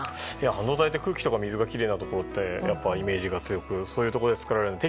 半導体って、空気とか水がきれいなところっていうイメージが強くてそういうところで作られているという。